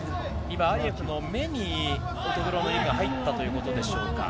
アリエフの目に乙黒の指が入ったということでしょうか。